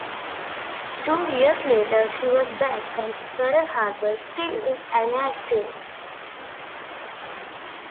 Two years later, she was back at Pearl Harbor still inactive.